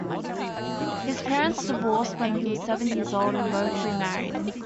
His parents divorced when he was seven years old and both remarried.